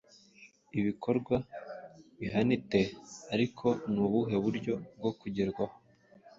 Ibikorwa bihanite ariko ni ubuhe buryo bwo kugerwaho